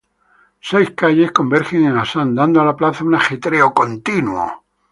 Seis calles convergen en Asan dando a la plaza un ajetreo continuo.